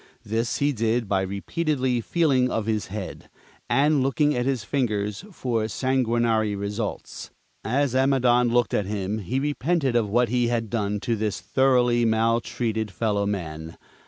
This he did by repeatedly feeling of his head, and looking at his fingers for sanguinary results. As Amidon looked at him, he repented of what he had done to this thoroughly maltreated fellow man.